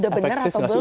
udah bener atau belum